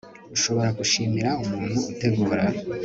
ushobora gushimira umuntu utegura